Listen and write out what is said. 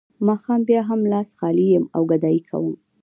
ماښام بیا هم لاس خالي یم او ګدايي کوم